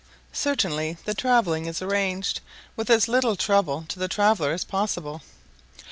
Certainly the travelling is arranged with as little trouble to the traveller as possible.